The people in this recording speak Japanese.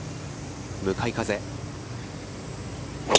向かい風。